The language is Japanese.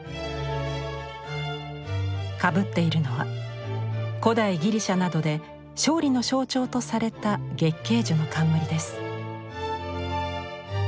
かぶっているのは古代ギリシャなどで勝利の象徴とされた月けい樹の冠です。